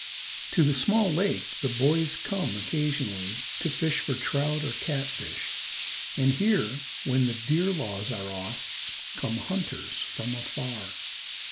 To the small lake the boys come occasionally to fish for trout or catfish, and here, when the deer laws are off, come hunters from afar.